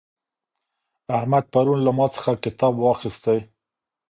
احمد پرون له ما څخه کتاب واخیستی.